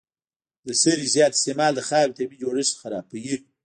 د سرې زیات استعمال د خاورې طبیعي جوړښت خرابوي.